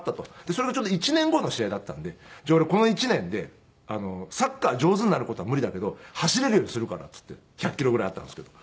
それがちょうど１年後の試合だったんでじゃあ俺この１年でサッカー上手になる事は無理だけど走れるようにするからって言って１００キロぐらいあったんですけど。